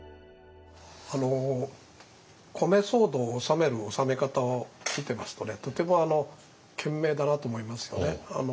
米騒動を収める収め方を見てますとねとても賢明だなと思いますよね。